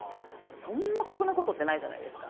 そんな酷なことってないじゃないですか。